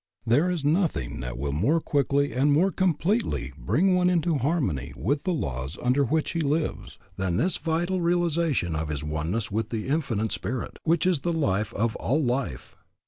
There is nothing that will more quickly and more completely bring one into harmony with the laws under which he lives than this vital realization of his oneness with the Infinite Spirit, which is the life of all life.